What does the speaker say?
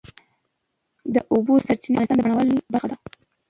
د اوبو سرچینې د افغانستان د بڼوالۍ برخه ده.